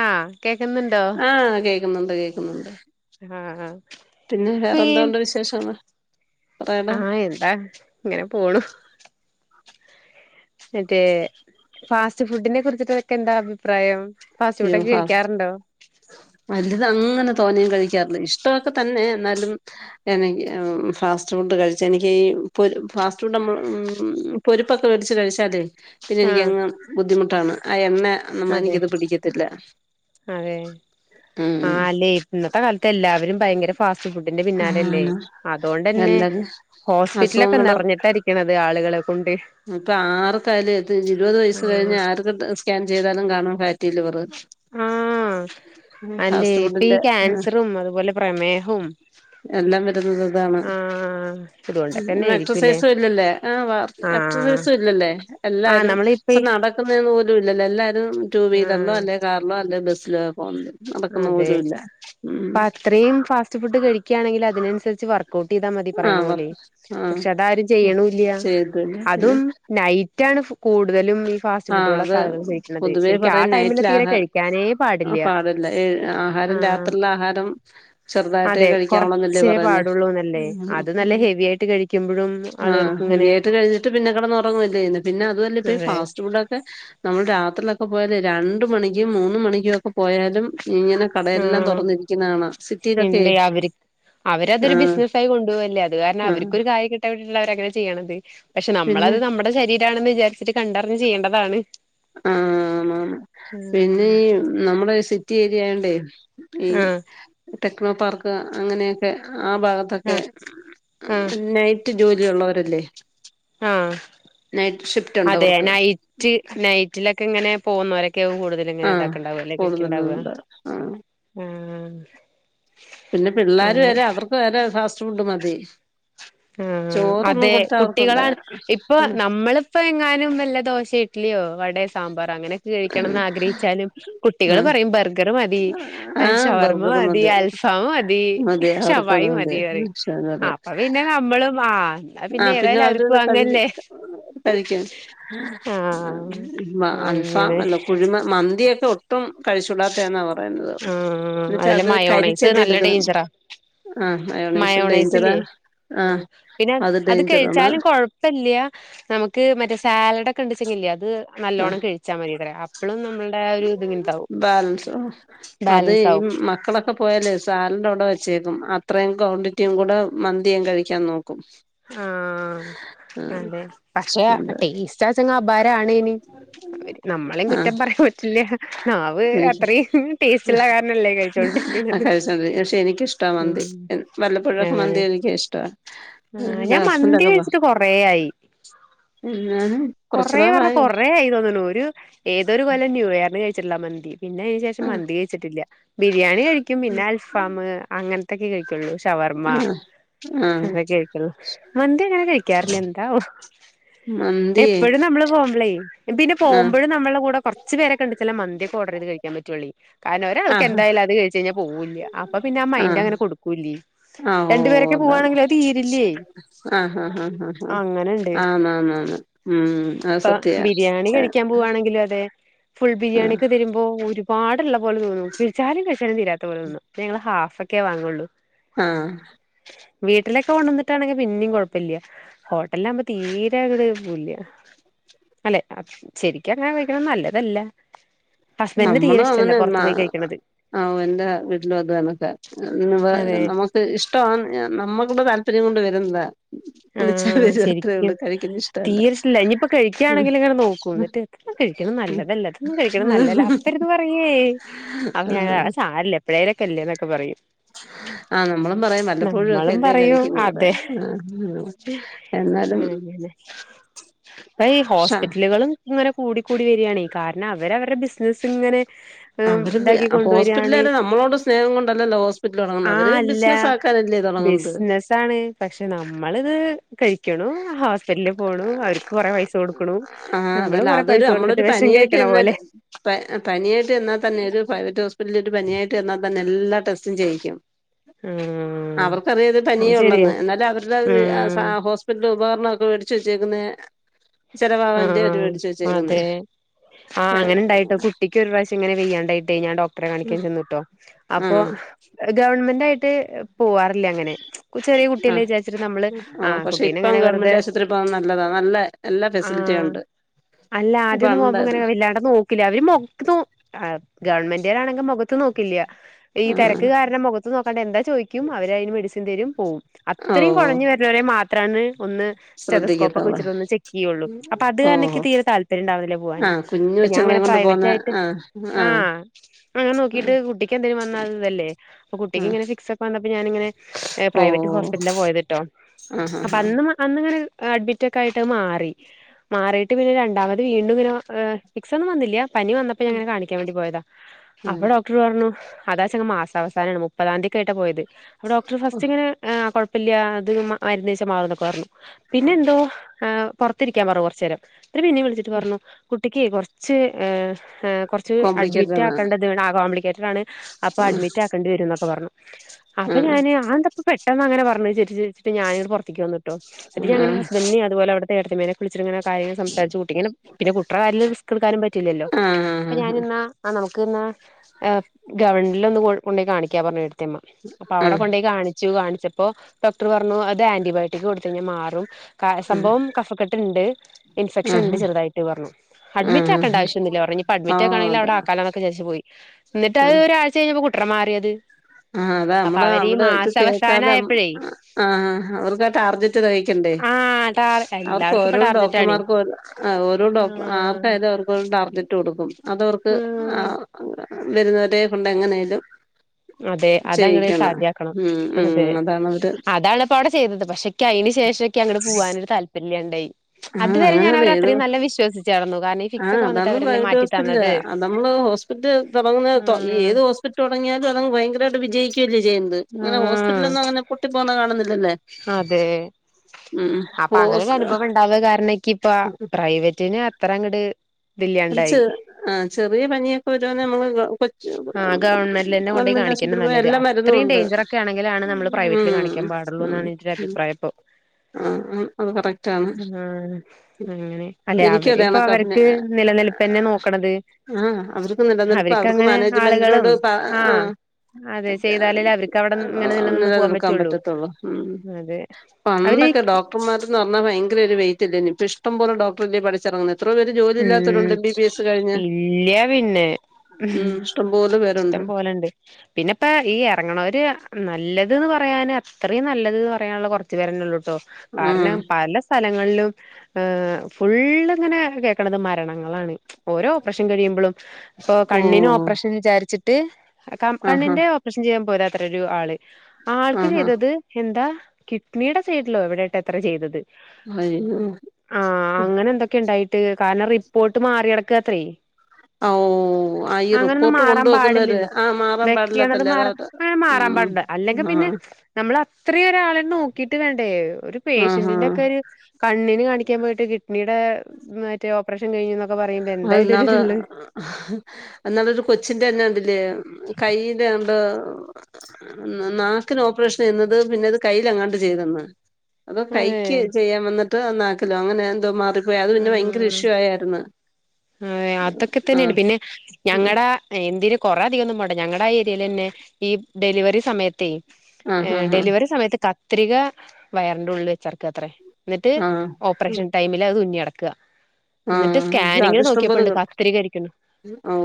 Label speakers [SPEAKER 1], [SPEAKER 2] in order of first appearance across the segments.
[SPEAKER 1] ആഹ് കേക്കുന്നുണ്ടോ
[SPEAKER 2] ആ കേക്കുന്നുണ്ട് കേക്കുന്നുണ്ട്.
[SPEAKER 1] ആഹ്
[SPEAKER 2] പിന്നെ
[SPEAKER 1] ഇപ്പ ഈ
[SPEAKER 2] വേറെന്തുണ്ട് വിശേഷങ്ങൾ?
[SPEAKER 1] ആഹ് എന്താ ഇങ്ങനെ പോണു. മറ്റേ, ഫാസ്റ്റ് ഫുഡിനെ കുറിച്ചിട്ട് നിനക്കെന്താ അഭിപ്രായം? ഫാസ്റ്റ്
[SPEAKER 2] യും
[SPEAKER 1] ഫുഡൊക്കെ
[SPEAKER 2] ഫാസ്
[SPEAKER 1] കഴിക്കാറുണ്ടോ
[SPEAKER 2] വല്ലത് അങ്ങനെ തോന്നിയും കഴിക്കാറില്ല. ഇഷ്ടമൊക്കെ തന്നെ എന്നാലും ഞാന് ഏഹ് ഫാസ്റ്റ് ഫുഡ് കഴിച്ച എനിക്കീ പൊ ഫാസ്റ്റ് ഫുഡ് നമ്മൾ പൊരുപ്പൊക്കെ മേടിച്ച് കഴിച്ചാലേ, പിന്നെ
[SPEAKER 1] ആഹ്
[SPEAKER 2] എനിക്കങ്ങ് ബുദ്ധിമുട്ടാണ്. ആ എണ്ണ നമ്മ
[SPEAKER 1] അതെ
[SPEAKER 2] എനിക്കത് പിടിക്ക
[SPEAKER 1] അതെ
[SPEAKER 2] ഉം
[SPEAKER 1] ആ അല്ലെ ഇന്നത്തെ കാലത്ത് എല്ലാവരും ഭയങ്കര ഫാസ്റ്റ് ഫുഡിന്റെ പിന്നാലല്ലേ
[SPEAKER 2] ആണ്
[SPEAKER 1] അതുകൊണ്ട് തന്നെ
[SPEAKER 2] എല്ലാരും
[SPEAKER 1] ഹോസ്പിറ്റലൊക്കെ നിറഞ്ഞിട്ടായിരിക്കണത് ആളുകൾ
[SPEAKER 2] അപ്പൊ ആർക്കായാലും പ്രത്യേകിച്ച് ഇരുപത് വയസ്
[SPEAKER 1] ആഹ്
[SPEAKER 2] കഴിഞ്ഞ ആർക്കും സ്‌കാന് ചെയ്താലും കാണാൻ ഫാ റ്റി ലിവർ
[SPEAKER 1] ആഹ് അല്ലേ ഇപ്പ ഈ
[SPEAKER 2] ഗ്യാസ്ട്രബിളിന്റെ ആ
[SPEAKER 1] ക്യാൻസറും അതുപോലെ പ്രമേഹവും
[SPEAKER 2] എല്ലാം വരുന്നത് ഇതാണ്
[SPEAKER 1] ആഹ് ഇതുകൊണ്ടൊക്കെന്നെ
[SPEAKER 2] എന്നാ
[SPEAKER 1] ആയിരിക്കുംല്ലേ
[SPEAKER 2] എക്സസൈസും ഇല്ലല്ലേ ആ വാ
[SPEAKER 1] ആഹ്
[SPEAKER 2] എക്സസൈസും ഇല്ലല്ലേ
[SPEAKER 1] ആഹ്
[SPEAKER 2] എല്ലാരും
[SPEAKER 1] നമ്മളിപ്പ
[SPEAKER 2] ഇപ്പോ നടക്കുന്നത് പോലും ഇ ല്ലല്ലോ എല്ലാ രും ടു വീലറിലോ
[SPEAKER 1] ആഹ്
[SPEAKER 2] അല്ലെ കാറിലോ അല്ലേ ബ സ്സിലോ
[SPEAKER 1] അതെ
[SPEAKER 2] ഉം
[SPEAKER 1] അപ്പൊ അത്രയും ഫാസ്റ്റ് ഫുഡ് കഴിക്കുകയാണെങ്കിൽ അതിനനുസരിച്ച് വർ ക്ക് ഔട്ട് ചെയ്താ മതി
[SPEAKER 2] ആ
[SPEAKER 1] പറയണ പോലെയേ
[SPEAKER 2] വർക്ക് ആ
[SPEAKER 1] പക്ഷെ അതാരും ചെയ്യണുമില്ല
[SPEAKER 2] ചെയ്തില്ല പിന്നെ
[SPEAKER 1] അതും നൈറ്റാണ് കൂടുതലും ഫാസ്റ്റ്
[SPEAKER 2] ആ
[SPEAKER 1] ഫുഡുകളൊക്കെ
[SPEAKER 2] അത്
[SPEAKER 1] ആളുകള് കഴിക്കണതേ
[SPEAKER 2] പൊതുവേ
[SPEAKER 1] ശരിക്കും ആ
[SPEAKER 2] പറയും
[SPEAKER 1] ടൈമിന്
[SPEAKER 2] നൈറ്റിൽ
[SPEAKER 1] തീരെ
[SPEAKER 2] ആഹാ
[SPEAKER 1] കഴിക്കാനേ പാടില്ല
[SPEAKER 2] ആഹാരം
[SPEAKER 1] ആഹ്
[SPEAKER 2] രാത്രിയിൽ ആഹാരം ചെറുതായിട്ട്
[SPEAKER 1] അതെ
[SPEAKER 2] കഴിക്കുള്ളന്നല്ലേ
[SPEAKER 1] കൊറച്ചേ
[SPEAKER 2] പറയുന്ന
[SPEAKER 1] പാടുള്ളൂന്നല്ലേ അത് നല്ല ഹെവി ആയിട്ട് കഴിക്കുമ്പോഴും
[SPEAKER 2] ആ
[SPEAKER 1] ആളുകൾക്ക് ഇങ്ങനെ
[SPEAKER 2] ഇവിയായിട്ട് കഴിഞ്ഞിട്ട് പിന്നെ കടന്നന്ന് ഉറങ്ങുന്നില്ലേ പിന്നെ അതല്ല ഇ
[SPEAKER 1] അതെ
[SPEAKER 2] ഫാസ് നമ്മൾ രാത്രിൊക്കെ പോയല് രണ്ട മണിക്കും മൂന്ന് മണിക്കും ഒക്കെ പോയാലും ഇങ്ങനെ
[SPEAKER 1] ആ
[SPEAKER 2] കടയെല്ലാം തുറന്നിരിക്കുന്ന കാണാം സിറ്റിയിലൊക്കെ
[SPEAKER 1] എണ്ട് അവര് അവരതൊരു
[SPEAKER 2] ആഹ്
[SPEAKER 1] ബിസിനസ ആയി കൊണ്ടുപോവല്ലേ അത് കാരണം
[SPEAKER 2] ആഹ്
[SPEAKER 1] അവർക്കൊരു കാര്യം കിട്ടാൻ വേണ്ടിട്ടുള്ള അവരങ്ങനെ ചെയ്യണത് പക്ഷെ
[SPEAKER 2] പിന്നെ
[SPEAKER 1] നമ്മളത് നമ്മുടെ ശരീരമാണെന്ന് വിചാരിച്ചിട്ട് കണ്ട ചെയ്യേണ്ടതാണ്
[SPEAKER 2] ആ ആ പിന്നെ ഈ നമ്മടെ സിറ്റി ഏരിയ ആണ്ടേ ഉ [unintelligible] ഏ
[SPEAKER 1] ആഹ്
[SPEAKER 2] ടെക്നോ പാർക്ക് അങ്ങനെയൊക്കെ ആ ഭാഗത്തൊക്കെ
[SPEAKER 1] ആഹ്
[SPEAKER 2] നൈറ്റ് ജോലി ഉള്ളവരല്ലേ
[SPEAKER 1] ആഹ
[SPEAKER 2] നൈറ്റ് ഷിഫ്റ്റ് ഉണ്ട്
[SPEAKER 1] അതെ
[SPEAKER 2] അവർക്ക്
[SPEAKER 1] നൈറ്റ് നൈറ്റ് ലൊക്കെ ഇങ്ങനെ പോകുന്നര കൂടുതല ഇങ്ങനെ
[SPEAKER 2] ആഹ്
[SPEAKER 1] ഇതാക്കണ്ടാവുക അല്ല കഴിക്കണ്ടാവുക
[SPEAKER 2] കൂടുതലുണ്ട് ആഹ്
[SPEAKER 1] ആ ആ [unintelligible]
[SPEAKER 2] പിന്നെ പിള്ളോര് വരെ അവർക്ക് വേരെ ഫാസ്റ്റ് ഫുഡ് മതി [unintelligible]
[SPEAKER 1] ആ
[SPEAKER 2] ചോറൊന്നും
[SPEAKER 1] അതെ
[SPEAKER 2] കൊടുത്താ അവർക്കുണ്ട്
[SPEAKER 1] കുട്ടികളാണ് ഇപ്പൊ
[SPEAKER 2] ഉം
[SPEAKER 1] നമ്മളിപ്പോ എങ്ങാനും നല്ല ദോശ ഇഡലിയോ വട സാമ്പാർ അങ്ങനെയൊക്കെ കഴിക്കണംന്ന് ആഗ്രഹിച്ചാലും കുട്ടികൾ പറയും ബർഗർ
[SPEAKER 2] ആഹ്
[SPEAKER 1] ഷവർമ്മ
[SPEAKER 2] ബർഗർ
[SPEAKER 1] മതി അൽഫ മതി
[SPEAKER 2] മതി അവർക്കത്
[SPEAKER 1] ശവായി മ
[SPEAKER 2] മതി
[SPEAKER 1] ശമ്മളവാ [unintelligible]
[SPEAKER 2] ആ പിന്നെ അവരൊന്ന് ക കഴിക്കൻ
[SPEAKER 1] ആഹ്
[SPEAKER 2] അൽഫാം
[SPEAKER 1] അങ്ങനെ
[SPEAKER 2] അല്ല കുഴിമ മന്തിൊക്കെ ഒട്ടും കഴിചൂടാണ് എന്നാ പറയുന്നത്
[SPEAKER 1] ആഹ്
[SPEAKER 2] എന്നച്ചാ
[SPEAKER 1] അതില്
[SPEAKER 2] അത്
[SPEAKER 1] മയോണൈസ്
[SPEAKER 2] കരിച്ചെല്ല
[SPEAKER 1] നല്ല
[SPEAKER 2] എടുക്കുന്നു
[SPEAKER 1] ഡേയ്ഞ്ചറാ
[SPEAKER 2] ആ ഡേഞ്ചറ
[SPEAKER 1] മയോണൈസില്ലേ
[SPEAKER 2] ആ
[SPEAKER 1] ഉം പിന്നെ അത് കഴിച്ചാലും കൊഴപ്പില്ല നമുക്ക് മറ്റേ സാല ഇടക്ക ഉണ്ടിച്ചില്ലേ അത്
[SPEAKER 2] ആ
[SPEAKER 1] നല്ലോണ്ണം കഴിച്ചാൽ മതിത്രേ ഇപ്പോഒന്നും ഒരു ഇങ്ങണ്ടാവും
[SPEAKER 2] ബാലൻസ് അത് ഈ മക്കളൊക്കെ പോയാല് സാലഡ് അവിടെ വെച്ചേക്കും ഇത്രയും ക്വാണ്ടിറ്റിയും കൂടെ മന്തിയും കഴിക്കാൻ നോക്കും
[SPEAKER 1] ആഹ
[SPEAKER 2] ആ
[SPEAKER 1] അതെ പക്ഷെ
[SPEAKER 2] അതെ
[SPEAKER 1] ടേസ്റ്റ് ആയിട്ട് ാരാണ്നി [unintelligible] അവര് നമ്മളേും
[SPEAKER 2] ആ
[SPEAKER 1] കുറ്റം പറയാൻ പറ്റില്ല നാവ്
[SPEAKER 2] എനിക്ക്
[SPEAKER 1] അത്രയും ടേസ്റ്റുള്ള കാരണല്ലേ
[SPEAKER 2] ആ
[SPEAKER 1] കഴിച്ചോണ്ടിരിക്കണത്
[SPEAKER 2] കഴിച്ച്ണ്ട് പക്ഷെ എനിക്കിഷ്ടാ മന്തി
[SPEAKER 1] ഉം
[SPEAKER 2] വല്ലപ്പഴൊക്കെ മന്തി കഴിക്കാൻ ഇഷ്ടാ
[SPEAKER 1] ആ
[SPEAKER 2] എന്റെ
[SPEAKER 1] ഞാൻ മന്തി
[SPEAKER 2] ഹസ്ബൻഡൊക്കെ പ
[SPEAKER 1] കഴിച്ചിട്ട് കൊറെ ആയി
[SPEAKER 2] ഞാനും കുറച്ചു
[SPEAKER 1] കൊറെ പറഞ്ഞ
[SPEAKER 2] നാളായോ
[SPEAKER 1] കൊറയായി തോന്ന്ണൂ ഒരു ഏതൊരു കൊല്ല ന്യൂഇയറ്ന് കഴ് ച്ചില്ലാ മന്തി പിന്നെ അയിന് ശേഷം
[SPEAKER 2] ആ
[SPEAKER 1] മന്തി കഴിച്ചിട്ടില്ല ബിരിയാണി കഴിക്കും പിന്നെ അൽഫാമ് അങ്ങന ക്കെ കഴിക്കോള്ളു ഷവർമ്മ
[SPEAKER 2] ആ ആ
[SPEAKER 1] അതൊക്കെ മന്തി അങ്ങനെ കഴിക്കാറില്ല എന്താവോ
[SPEAKER 2] മന്തിയേ
[SPEAKER 1] എപ്പഴും നമ്മള് പോവുമ്പളേ പിന്നെ
[SPEAKER 2] ആ
[SPEAKER 1] പോകുമ്പഴും നമ്മളെ കൂടെ കൊറച്ച് പേരൊക്കെണ്ടച്ചാലേ മന്തിയോക്കെ ഓർഡറ്യ്ത് കഴിക്കാൻ പറ്റൊള് കാരണം
[SPEAKER 2] ആ
[SPEAKER 1] ഒരാൾക്ക് എന്തായാലും അത് കഴിച്ചഴിഞ്ഞാ പോകൂല്ല അപ്പ പിന്നെ
[SPEAKER 2] ആ
[SPEAKER 1] മൈന്റ്ങ്ങനെ കൊട്ക്കുല്ല്യ
[SPEAKER 2] ആ ഓ
[SPEAKER 1] രണ്ട് പേരൊക്കെ
[SPEAKER 2] അതാണ്
[SPEAKER 1] പോവാണെങ്കി അത് തീ
[SPEAKER 2] ആ ഹാ ഹാ ഹാ ഹാ
[SPEAKER 1] അങ്ങനെണ്ട്
[SPEAKER 2] ആന്ന് ആന്ന് ആന്ന് മ്മ് അത്
[SPEAKER 1] ഇപ്പ
[SPEAKER 2] സത്യ
[SPEAKER 1] ഉ ഫുൾ ബിരിയാണിക്കെ തരുമ്പോ ഒരുപാട്ള്ള പോലെ തോന്നു കഴിച്ചാലും കിയിച്ചാലും തീരാ ത്തപോലൊന്നും ഇപ്പങ്ങള് ഹാഫോക്കെ വാങ്ങോള്ളൂ
[SPEAKER 2] ആ
[SPEAKER 1] [inaudible] [unintelligible] കൊണ്ടന്നട്ടാണെങ്കിൽ പിന്നെയും കുഴപ്പമില്ല ഹോട്ടലിലാകുമ്പോ തീരങട് തുല്ല്യ അല്ലെ ശെരിക്ക അങ്ങനെ കഴിക്കണ നല്ലതല്ല
[SPEAKER 2] [inaudible] [unintelligible] [unintelligible]
[SPEAKER 1] ഹസ്ബൻഡിന് തീരെ ഇഷ്ടല്ല പുറത്തു പോയി കഴിക്കണത് അതെ
[SPEAKER 2] താൽപര്യകൊണ്ട് വരുന്ന
[SPEAKER 1] ആ ശരിക്കും
[SPEAKER 2] കഴിക്കുന്ന ഇഷ്ടല്ല
[SPEAKER 1] [unintelligible] ഇനിയിപ്പോ കഴിക്കുവാണെങ്കില് ഇങ്ങനെ നോക്കൂള്ളൂ ഇത് എപ്പം കഴിക്കണം നല്ലതല്ല ഇതൊന്നും കഴിക്കണ നല്ല [unintelligible] പറഞ്ഞെ [unintelligible] ക്കല്ലേന്നൊക്കെ പറയും
[SPEAKER 2] ആഹ് നമ്മളും പറയും വല്ലപ്പോഴും
[SPEAKER 1] നമ്മളും
[SPEAKER 2] ഒക്കെയല്ലേ
[SPEAKER 1] പറയും
[SPEAKER 2] കഴിക്കുന്നേ അതേ
[SPEAKER 1] അതെ അങ്ങനെ ഇപ്പ ഈ
[SPEAKER 2] ആ
[SPEAKER 1] ഹോസ്പിറ്റലുകളും ഇങ്ങനെ കൂടിക്കൂടി വരികയാണെ കാരണം അവര് അവരുടെ ബിസിനസ് ഇങ്ങനെ,
[SPEAKER 2] അവര്
[SPEAKER 1] ഇതാക്കി കൊണ്ടുവരികയാണ്
[SPEAKER 2] ഹോസ്പിറ്റല്കാര് നമ്മളോട് സ്നേഹം കൊണ്ടല്ലല്ലോ ഹോസ്പിറ്റല് തൊടങ്ങുന്നത്
[SPEAKER 1] ആ
[SPEAKER 2] അവര്
[SPEAKER 1] അല്ല
[SPEAKER 2] ബിസിനസാക്കാനല്ലേ തൊടങ്ങുന്നത്?
[SPEAKER 1] ബിസിനസാണ് പക്ഷെ നമ്മളിത് കഴിഞോ കണു ഹോസ്പിറ്റ്ല് പോണു അവർക്ക് കൊറെ പൈസ കൊടുക്കണു
[SPEAKER 2] ആ
[SPEAKER 1] നമ്മള്
[SPEAKER 2] അതല്ല
[SPEAKER 1] കൊറെ പൈസ
[SPEAKER 2] അതൊരു
[SPEAKER 1] കൊടുത്തിട്ട്
[SPEAKER 2] നമ്മളൊരു
[SPEAKER 1] വെഷം
[SPEAKER 2] പനിയായിട്ട്
[SPEAKER 1] കയിക്കണ പോലെ
[SPEAKER 2] ചെന്നാല് പനിയായിട്ട് ചെന്നാൽ തന്നെ ഒരു പ്രൈവറ്റ് ഹോസ് പൊലൊരു പനിയായിട്ട് ചെന്നാ തന്നെ എല്ലാ ടെസ്റ്റും ചെയ്യിക്കും.
[SPEAKER 1] ഉം
[SPEAKER 2] അവർക്കറിയാം ഇത്
[SPEAKER 1] അത്
[SPEAKER 2] പനിയേ
[SPEAKER 1] ശരിയാ
[SPEAKER 2] ഒള്ളെന്ന് എന്നാലും അവരുടെ ആ സ
[SPEAKER 1] ഉം
[SPEAKER 2] ഹോസ് ഉപകർണം ഒക്കെ വേടിച്ച് വെച്ചേക്കുന്ന ചെലവാവല്ലേ അവര്
[SPEAKER 1] ആഹ്
[SPEAKER 2] മേടിച്ച് വെച്ചേക്കുന്നെ
[SPEAKER 1] അതെ ആഹ് അങ്ങനെ ഇണ്ടായിട്ടോ കുട്ടിക്ക് ഒരു പ്രാവശ്യം ഇങ്ങനെ വെയ്യാണ്ടായിട്ടേ ഞാൻ ഡോക്ടറെ കാണിക്കാൻ ചെന്നിട്ടോ അപ്പൊ
[SPEAKER 2] ആഹ്
[SPEAKER 1] ഗവൺമെന്റ് തെ അ [unintelligible] പൂവാറില്ല അങ്ങനെ ചെറിയ കുട്ടിയല്ലേ
[SPEAKER 2] ആഹ്
[SPEAKER 1] വിചാരിച്ചിട്ട് നമ്മള്
[SPEAKER 2] ഓ
[SPEAKER 1] ആ
[SPEAKER 2] പക്ഷെ
[SPEAKER 1] കുട്ടീന
[SPEAKER 2] ഇപ്പം
[SPEAKER 1] ഇങ്ങനെ വെറുതെ
[SPEAKER 2] ഗവൺമെന്റ് ആശുപത്രി പോകാൻ നല്ലതാ നല്ല എല്ലാ ഫെസിലിറ്റിയും
[SPEAKER 1] ആഹ്
[SPEAKER 2] ഉണ്ട്
[SPEAKER 1] അല്ല ആദ്യൊന്നും പോകുമ്പോ ഇങ്ങനെ
[SPEAKER 2] പണ്ടായിരുന്നു
[SPEAKER 1] വല്ലാണ്ടന്ന് നോക്കില്ല അവര് നോക് നോക് ഗവൺമെന്റ് ആണെങ്കിൽ മുഖത്ത് നോക്കില്ല. ഈ തെരക്ക്
[SPEAKER 2] ആഹ്
[SPEAKER 1] കാരണം മുഖത്ത് നോക്കാണ്ട് എന്താ ചോയിക്കും അവര് അതിന് മെഡിസിൻ തരും. ഓ
[SPEAKER 2] ഓ
[SPEAKER 1] അത്രയും കൊഴഞ്ഞു വരുന്നവരെ മാത് ത്രാണ് ഒന്ന്
[SPEAKER 2] ശ്രദ്ധിക്കത്തുള്ളൂ
[SPEAKER 1] സ്റ്റെതസ്കോപ്പക്കെച്ചിട്ട് ഒന്ന് ചെക്ക് ചെയ്യോള്ളൂ. അപ്പൊ അത്
[SPEAKER 2] ഓ
[SPEAKER 1] കാരണം തീരെ താല്പര്യം ഉണ്ടാവുന്നില്ലേ പോവാന്
[SPEAKER 2] ആഹ് കുഞ്ഞു
[SPEAKER 1] അപ്പൊ ഞാൻ
[SPEAKER 2] കൊച്ചുങ്ങളെ
[SPEAKER 1] ഇങ്ങനെ
[SPEAKER 2] കൊണ്ട് പോന്ന
[SPEAKER 1] പ്രൈവറ്റ് ആയിട്ട്
[SPEAKER 2] ആഹ്
[SPEAKER 1] ആഹ് അങ്ങനെ നോക്കിട്ട് കുട്ടിക്ക് എന്തെങ്കിലും വന്നാല് ഇതല്ലേ അപ്പൊ കുട്ടിക്ക്
[SPEAKER 2] ആഹ് ആഹ്
[SPEAKER 1] ഇങ്ങനെ ഫിക്സ് ഒക്കെ വന്നപ്പോ ഞാനിങ്ങനെ
[SPEAKER 2] ഓ
[SPEAKER 1] പ്രൈവറ്റ് ഹോസ്പിറ്റല പോയത്ട്ടോ
[SPEAKER 2] ആഹ്
[SPEAKER 1] അപ്പൊ
[SPEAKER 2] ആഹ് ആഹ്
[SPEAKER 1] അന്ന് അന്നിങ്ങനെ അഡ്മിറ്റ് ഒക്കെ ആയിട്ട് മാറി മാറിട്ട് പിന്നെ രണ്ടാമത് വീണ്ടും ഇങ്ങനെ ഫിക്സൊന്നും വന്നില്ല. പനി വന്നപ്പോ ഞങ്ങനെ കാണിക്കാൻ വേണ്ടി പോയതാ അപ്പൊ
[SPEAKER 2] ആഹ്
[SPEAKER 1] ഡോക്ടർ പറഞ്ഞു അതാച്ചാങ്ങ മാസാവസാനാണ് മുപ്പതാതിയൊക്കായിട്ടാ പോയത് അപ്പൊ ഡോക്ടർ ഫസ്റ്റ്
[SPEAKER 2] ഓഹ്
[SPEAKER 1] ഇങ്ങനെ കൊഴ പ്പല്ലാ അത് മരുന്നയിച്ച മാറുന്നൊക്കെ പറഞ്ഞു പിന്നെന്തോ [unintelligible] പൊറത്തിരിക്കാപറ കൊറച്ചേരം ന്നട്ട് പിന്നേം വിളിച്ചിട്ട് പറഞ്ഞു കു ട്ടിക്ക് കൊറച്ച് ഏ കൊറച്ച്
[SPEAKER 2] കോംപ്ലിക്കേറ്റഡ് ആണ്
[SPEAKER 1] അഡ്മിറ്റാക്കേണ്ടത് ആ കോംപ്ലിക്കേറ്റഡാണ് അപ്പോ അഡ്മിറ്റാക്കേണ്ടി വരുന്നൊക്കെ പറഞ്ഞു അപ്പൊ
[SPEAKER 2] ആഹ്
[SPEAKER 1] ഞാന് അതന്താപ്പോ പെ ട്ടെന്ന് അങ്ങനെ പറഞ്ഞ്ചാരിച്ച് അപ്പം ഞാന് ഇങ്ങട്ട് പൊറത്ത്ക്ക് വന്ന്ട്ടോ പിന്നെ ഞാനിങ്ങനെ
[SPEAKER 2] ആഹ്
[SPEAKER 1] ഹസ്ബന്റിനിം അത് പോലെ അവ്ടെ ഏടത്തിയമ്മേനിം വിളിച്ച്ട്ട്ങ്ങനെ കാര്യങ്ങൾ സംസാരിച്ചുക്കൂട്ടിങ്ങനെ പിന്നെ കുട്ടിടെകാര്യല് റിസ്ക്ക്ട്ക്കാനും പറ്റില്ലല്ലോ അപ്പൊ
[SPEAKER 2] ആഹ്
[SPEAKER 1] ഞാനിന്നാ നമു ക്ക്ന്നാ ആ ഗവൺ മെന്റ്ല്ലൊന്ന് കൊ കൊണ്ടോയി കാണിക്കാ പറഞ്ഞു ഏ ടത്തിയമ്മ അപ്പൊ
[SPEAKER 2] ആഹ്
[SPEAKER 1] അവടെ
[SPEAKER 2] ആഹ്
[SPEAKER 1] കൊണ്ടോയി കാണിച്ചു കാണി പ്പോ ഡോക്ടർ പറഞ്ഞു അത് ആന്റിബയോട്ടിക് കൊടുത്ത കഴിഞ്ഞാൽ മാറും സംഭവം കഫക്കെട്ടുണ്ട്
[SPEAKER 2] ആഹ്
[SPEAKER 1] ഇൻഫെക്ഷൻ ണ്ട്
[SPEAKER 2] ആഹ് ആഹ്
[SPEAKER 1] ചെറുതായിട്ട് പറഞ്ഞു
[SPEAKER 2] ആഹ് ആഹ്
[SPEAKER 1] അഡ്മിറ്റാക്കണ്ട
[SPEAKER 2] ആഹ്
[SPEAKER 1] ആവശ്യൊന്നുമില്ല
[SPEAKER 2] ഓ
[SPEAKER 1] പറഞ്ഞുഅഡ്മിറ്റ് ആക്കാണെങ്കിൽ അവിടെ
[SPEAKER 2] അതാ
[SPEAKER 1] ആക്കാലൊെേച്ച പോയി ന്നിട്ട് അത് ഒരാഴ്ച കഴിഞ്ഞപ്പ ടർമാരെ
[SPEAKER 2] ആ അത നമ്മള അവിടെ ഇ
[SPEAKER 1] അവസാനം
[SPEAKER 2] കേക്കാതെ
[SPEAKER 1] ആയപ്പോഴേ
[SPEAKER 2] ആ അവർക്ക് ആ ടാർജറ്റ് കയ്ക്കണ്ടേ
[SPEAKER 1] ആഹ് ടാർ എല്ലാവർക്കും ഇപ്പൊ
[SPEAKER 2] അവർക്ക്ഓരോ
[SPEAKER 1] ടാർജറ്റ് ആണേ
[SPEAKER 2] ഡോക്ടർമാർക്കും ഓരോ ഡോക്ടർ
[SPEAKER 1] ആഹ്
[SPEAKER 2] ആർക്കായത് അവർക്ക് അറിഞ്ഞിട്ട് കൊടുക്കും അതവർക്ക് ആ
[SPEAKER 1] ആഹ്
[SPEAKER 2] അ വരുന്നവരെ കൊണ്ട് എങ്ങനൊലും
[SPEAKER 1] അതെ അതങ്ങടെ സാധ്യക്കണം
[SPEAKER 2] ഉം
[SPEAKER 1] അതെ
[SPEAKER 2] അതാണ് അവര്
[SPEAKER 1] അതാാണ്പ്പോ അവിടെ ചെയ്തത് പക്ഷെക്കെ അതിന് ശേഷൊക്കെ അങ്ങടെ പോകാനൊരു താല്പര്യം ഇല്ലാണ്ടായി
[SPEAKER 2] ആഹ്
[SPEAKER 1] അതുവരെ ഞാൻ
[SPEAKER 2] അങ്ങനെയാണ്
[SPEAKER 1] അവർ
[SPEAKER 2] ഏത്
[SPEAKER 1] അത്രയും നല്ല വിശ്വസിച്ചടന്നു കാര
[SPEAKER 2] ആഹ് അതൊന്ന പ്രൈവറ്റ് ഹോസ്പിറ്റല് അത് നമ്മള് ഹോസ്പിറ്റല് തുടങ്ങുന്ന
[SPEAKER 1] ആഹ്
[SPEAKER 2] ഏത് ഹോസ്പിറ്റൽ തുടങ്ങി തും അതങ്ങട്ട് ഭയങ്കരായിട്ട് വിജയി കെല്ലെ ചെയ്യുന്നത് ഇങ്ങനെ
[SPEAKER 1] ആഹ്
[SPEAKER 2] ഹോസ്പിറ്റലുന്നങ്ങനെ പൊട്ടി പോണെ കാണന്ന്
[SPEAKER 1] അതെ
[SPEAKER 2] ഉം
[SPEAKER 1] അപ്പ അങ്ങനൊരു
[SPEAKER 2] ഹോസ്
[SPEAKER 1] അനുഭവംണ്ടായ കാരണക്ക് പ്പ പ്രൈവറ്റ് പിന്നെ അത്രങ്കട്
[SPEAKER 2] ഈചെറ് ആ ചെറിയ പനിയൊക്കെ വരാനമ്മള് കൊച്ചു
[SPEAKER 1] ആഹ് ഗവൺമെന്റിലന്നെ കൊണ്ടോയി
[SPEAKER 2] ഗവൺമെൻ്റ്
[SPEAKER 1] കാണിക്കന്നെ നല്ലത്
[SPEAKER 2] ആശുപത്രിയില്എല്ലാം
[SPEAKER 1] അത്രയും
[SPEAKER 2] മരുന്നൂണ്ട്
[SPEAKER 1] ഡേഞ്ചറൊക്കെ ണൊന്നാണ് ൻ്റൊര് അഭിപ്രായപ്പൊ
[SPEAKER 2] ആഹ് അത് കറക്റ്റാണ്
[SPEAKER 1] ആ അങ്ങനെ അവരിപ്പൊ അവർക്ക് നിലനിൽപ്പന്നെ നോക്കണത്
[SPEAKER 2] ആ അവരുപ്പൊ നിലനിൽപ്പ് അവർക്കും
[SPEAKER 1] അവർക്കങ്ങനെ ആളുകളും
[SPEAKER 2] മേനേജ്മെൻ്റിനോട് പാ ആ
[SPEAKER 1] ആഹ് അതെ ചെയ്താലല്ലേ അവർക്ക് അവിടെ ഇങ്ങനെ നിലനിന്ന് പോകാൻ
[SPEAKER 2] നിലനിൽകാൻ
[SPEAKER 1] പറ്റുള്ളൂ
[SPEAKER 2] പറ്റത്തൊള്ളൂ ഉം
[SPEAKER 1] അതെ അവര്
[SPEAKER 2] പണ്ടൊക്കെ ഡോക്ടറ്മാര്പറഞ്ഞ ഭയങ്കരഒരു വൈ റ്റൈനു ഇപ്പോ ഇഷ്ടംപോലെ ഡോക്ടറല്ലെ പടിച്ചെറങ്ങുന്ന് ഇത്രേംപേര് ജോലില്ലാതെ
[SPEAKER 1] ഉം ഇല്ല പിന്നെ
[SPEAKER 2] ഉം ഇഷ്ടം പോലെ പേരുണ്ട്
[SPEAKER 1] ഇഷ്ടംപോലെണ്ട് പിന്നെപ്പ ഈ എറങ്ങ്ണോര് നല്ല ല്ലത് ന് പറയാന് അത്രയും നല്ലത് പറയാന്ള്ള കൊറച്ച് പേരെന്നെള്ളു
[SPEAKER 2] ആഹ്
[SPEAKER 1] കാരണം പലസ് സ്ഥലങ്ങളിലും ഏ ഫുള്ള്ങ്ങനെ ക്ക്ണത് മരണങ്ങളാണ് ഓരോ ഓപറേഷൻ കഴിയും പളും പ്പോ കണ്ണിന്
[SPEAKER 2] ഓഹ്
[SPEAKER 1] ഓപറഷൻജാരിച്ചിട്ട് കം
[SPEAKER 2] ആഹാ
[SPEAKER 1] കണ്ണിൻ്റെ ഓപ്പറഷൻ ചെയ്യാൻ പോയത തരു ആള് ആൾക്ക്
[SPEAKER 2] ആഹാ
[SPEAKER 1] ചെയ്തത് എന്താ കിഡ്നിടെ സൈഡിലോവിടെറ്റാത്ര ചെയ്തത്
[SPEAKER 2] അയ്യോ
[SPEAKER 1] ആ അങ്ങനെന്തെക്കെണ്ടായി ട്ട് [unintelligible] കാരണം റിപ്പോട്ട് മാറിടക് കാത്രേ [unintelligible]
[SPEAKER 2] ഓ ആ ഈ
[SPEAKER 1] അങ്ങനൊന്നും
[SPEAKER 2] റിപ്പോർട്ട്
[SPEAKER 1] മാറാൻ
[SPEAKER 2] കൊണ്ട് വെക്കുന്നവര്
[SPEAKER 1] പാടില്ലല്ലോ
[SPEAKER 2] ആ മാറാൻ
[SPEAKER 1] [unintelligible]
[SPEAKER 2] പാടില്ലാത്തല്ലേ
[SPEAKER 1] മാറ
[SPEAKER 2] അതാ ഉം
[SPEAKER 1] അങ്ങനെമാറാൻപാടുണ്ടോ
[SPEAKER 2] ആ
[SPEAKER 1] അല്ലെങ്കിപിന്നെ നമ്മളത്രയേറെ ആളെ നോക്കീട്ട് വേണ്ടേ ഒരു
[SPEAKER 2] ആ ആ
[SPEAKER 1] പേഷ്യന്റിന്റെക്കൊരു കണ്ണിനു കാണി കെമേട്ട [unintelligible] കിട്ട് ന്ന്ട്ടാ മേ [unintelligible] ഓപ്പറഷൻ കഴിഞ്ഞതോ
[SPEAKER 2] ആ ഇന്നാള് ഹ ഇന്നാള് ഒരു കൊച്ചിന്റേ തന്നെ കണ്ടില്ലേ മ് കയ്യിടെ നനാക്കിനു ഓപ്പറേഷൻയ്യ്ന്നത് കയ്യിലെങ്ങാണ്ട് ചെയ്തെന്ന് അതോ
[SPEAKER 1] അതെ
[SPEAKER 2] കൈക്ക് ചെയ്യാൻ വന്ന അതോ നാക്കിലോ അങ്ങനെ എന്തോ മാറിപ് പോയ് അത് പിന്നെ ഭയങ്കര ഇഷ്യു ആയായിരുന്ന്
[SPEAKER 1] ആ ഏ അതൊക്കെത്തന്നെയുണ്ട് പിന്നെ ഞങ്ങട ഏൻ അതിന് കൊറെ അധികൊന്നും പോണ്ട ഞങ്ങടാ ഏരിയേല് അന്നെ ഈ ഡെലിവറി സമയത്തേ
[SPEAKER 2] ആ
[SPEAKER 1] ഏ
[SPEAKER 2] ആ ആ
[SPEAKER 1] ഡെലിവറി സമയത്ത് കത്ത് കത്രിക വയറിൻ്റുള്ളില് വെച്ചെറക്കാത്രേ എന്നിട്ട്
[SPEAKER 2] ആ
[SPEAKER 1] ഓപ്പറേഷൻ ടൈമില് അത് തുന്ന് നടക്കുവാ
[SPEAKER 2] ആഹ് അത് ഇഷ്ട്ടം പോലെ കേട്ട്
[SPEAKER 1] കത്രിക ഇരിക്കണു
[SPEAKER 2] ഓ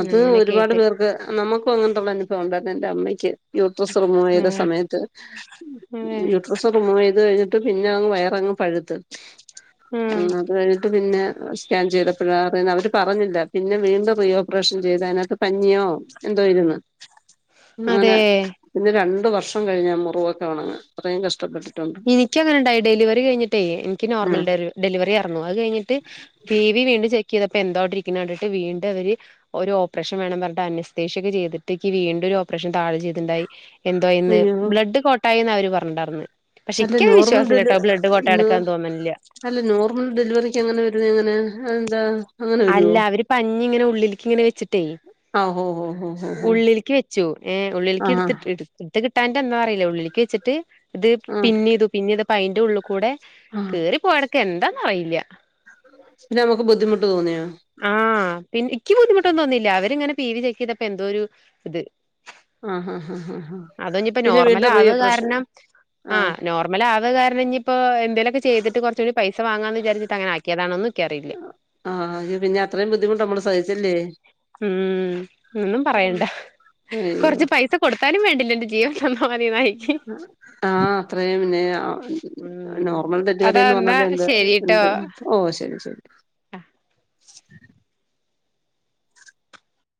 [SPEAKER 2] അത്
[SPEAKER 1] അങ്ങനെയൊക്കെ ആയിട്ട്
[SPEAKER 2] ഒരുപാട് പേർക്ക് നമ്മക്കും അങ്ങനത്തൊള്ള അനുഭവൊണ്ടായിരുന്നേ എൻ്റമ്മയ്ക്ക് യൂട്രസ് റിമൂവെയ്ത
[SPEAKER 1] ഉം
[SPEAKER 2] സമയത്ത്
[SPEAKER 1] അതെ
[SPEAKER 2] യൂട്രസ് റിമൂവെയ്ത് കഴിഞ്ഞി എന്നിട്ട് പിന്ന അങ്ങ് വയറങ്ങ് പഴുത്ത് ഉം അത് കഴിഞ്ഞിട്ട് പിന്ന സ്കാൻ ചെയ്തപ്പോഴാ അറിയുന്നെ അവര് പറഞ്ഞില്ല പിന്നെ വീണ്ടും റീ ഓപ്പറേഷൻ ചെയ്തയിനകത്ത് പഞ്ഞിയോ എന്തോ ഇരുന്ന്
[SPEAKER 1] അതെ
[SPEAKER 2] അങ്ങനെ പിന്നെ രൺ രണ്ട് വർഷം കഴിഞ്ഞാ മുറിവൊക്കെ ഒണങ്ങാൻ അത്രയും കഷ്ടപ്പെട്ട്
[SPEAKER 1] എനിക്കുവങ്ങനെ ഉണ്ടായി ഡെലിവറി കഴിഞ്ഞിട്ടേ എനിക്ക് നോർമൽ
[SPEAKER 2] ഉം
[SPEAKER 1] ഡെലിവ ഡെലിവറിയാർന്നു അത് കഴിഞ്ഞിട്ട് പി വി വീണ്ടും ചെയ് ക്കെയ്തപ്പെന്തോ അവടിരിക്ക്ണ കണ്ടിട്ട് വീണ്ടും അവര് ഒരു ഓപ്പറേഷൻ വേണം പറഞ്ഞ്ട്ടനസ്തേഷ്യൊക്കെ ചെയ്തിട്ട് ഇക്ക് വീണ്ടും ഒരു ഓപ്പറേഷൻ താഴെ ചെയ്തിണ്ടായി എന്തോ അയിന്ന്
[SPEAKER 2] അയ്യോ
[SPEAKER 1] ബ്ലഡ് കോട്ടായീന്നവര് പറഞ്ഞിണ്ടാർന്നെ
[SPEAKER 2] അല്ല നോർമൽ ഡെലി ന്
[SPEAKER 1] കടക്കാന്ന് തോന്നണില്ല
[SPEAKER 2] അല്ല നോർമൽ ഡെലിവറിക്കങ്ങനെ വരുന്നയെങ്ങനാ അയെന്താ
[SPEAKER 1] അല്ല അവര് പഞ്ഞിങ്ങനെ ഉള്ളിലിക്കിങ്ങനെ വെച്ചിട്ടേ
[SPEAKER 2] ആ ഹോ ഹോ ഹോ ഹോ ഹോ
[SPEAKER 1] ഉള്ളിലിക്ക് വെച്ചു ഏഹ്
[SPEAKER 2] ആ
[SPEAKER 1] ഉള്ളിലിക്കെടുത്തിട്ട് എടുത്തിട്ട് കിട്ട് ട്ടാഞ്ഞിട്ടെന്താ അറിയില്ല ഉള്ളിലിക്ക് വെച്ചിട്ട് ദ്
[SPEAKER 2] ആ
[SPEAKER 1] പിന്നീതു പിന്നെയ്തപ് പയിൻ്റുള്ള്ക് കൂടെ
[SPEAKER 2] ആ
[SPEAKER 1] കേറിപ്പോവാട് ക്കെന്താന്നറിയില്ല്യ
[SPEAKER 2] പിന്നെ നമുക്ക് ബുദ്ധിമുട്ട് തോന്നിയോ
[SPEAKER 1] ആഹ പിന്നെ എനിക്ക് ബുദ്ധിമുട്ടൊന്നുംൊന്നുംില്ല അവരിങ്ങനെ പി വി ചക്കിയപ്പ എന്തോ ഒരു ഇത്
[SPEAKER 2] ആഹ് ആഹ ആഹ ആഹ
[SPEAKER 1] അത ഇപ്പോ നോർമൽ ആവത് കാരണം ആ
[SPEAKER 2] ആഹ്
[SPEAKER 1] നോർമൽ ആത് കാരണം ഇ ഇപ്പോൊ എന്തേലുമൊക്കെ ചെയ്തിട്ട് കുറച്ച കൂടി പൈസ പസ വങ്ങാന്ന് വിചാരിച്ചട്ട അനെ ആിയതാണന്ന്
[SPEAKER 2] ആഹ അ പിന്നെ അത്രയും ബുദ്ധിമുട്ട് നമ്മള് സഹ ഇല്ലേ
[SPEAKER 1] ഉം ഒന്നും പറയണ്ട
[SPEAKER 2] അയ്യോ
[SPEAKER 1] കൊറച്ച് പൈസ കൊടുത്താനും വേണ്ടില്ല ജീ ത നി നായി [unintelligible]
[SPEAKER 2] ആഹ അത്രയും പിന്നെ
[SPEAKER 1] ഉം
[SPEAKER 2] നോർമൽ
[SPEAKER 1] അതാ
[SPEAKER 2] ഡെറ്റിവറിന്ന്
[SPEAKER 1] എന്നാ
[SPEAKER 2] പറഞ്ഞാല് എന്ത് എന്ത് ഓ ശരി ശരി
[SPEAKER 1] ആഹ്